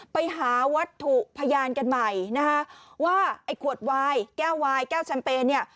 ไปหาวัตถุพยานกันใหม่นะคะว่าไอ้ขวดวายแก้ววายแก้วแชมเปญเนี่ย